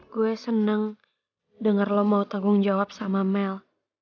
gue seneng denger lo mau tanggung jawab sama mel